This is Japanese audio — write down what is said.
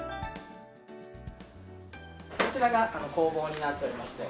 こちらが工房になっておりまして。